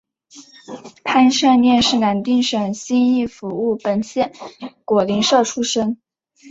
潘善念是南定省义兴府务本县果灵社出生。